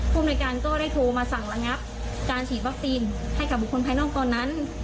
ภูมิในการก็ได้โทรมาสั่งระงับการฉีดวัคซีนให้กับบุคคลภายนอกตอนนั้น